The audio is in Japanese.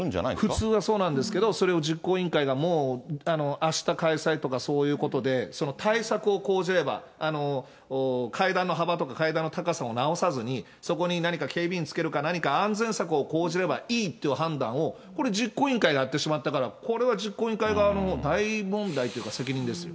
普通はそうなんですけど、それを実行委員会がもう、あした開催とか、そういうことで、その対策を講じれば、階段の幅とか、階段の高さを直さずに、そこに何か警備員つけるか何か安全策を講じればいいっていう判断を、これ、実行委員会がやってしまったから、これは実行委員会側の大問題っていうか責任ですよ。